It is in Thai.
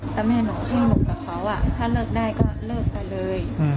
แล้วแม่หนูก็บอกกับเขาว่าถ้าเลิกได้ก็เลิกไปเลย